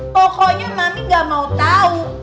pokoknya mami gak mau tahu